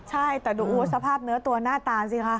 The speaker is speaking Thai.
ใช่แต่ดูสภาพเนื้อตัวหน้าตาสิคะ